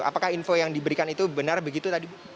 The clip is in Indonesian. apakah info yang diberikan itu benar begitu tadi